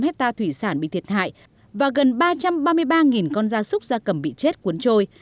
gần ba sáu trăm linh hecta thủy sản bị thiệt hại và gần ba trăm ba mươi ba con da súc da cầm bị chết cuốn trôi